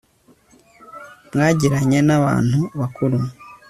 mwagiranye na bantu bakuru